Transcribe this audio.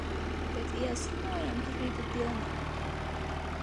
Bet vielas humoram tur bija papilnam.